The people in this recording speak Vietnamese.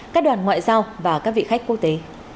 các đoàn ngoại giao và các vị khách quốc tế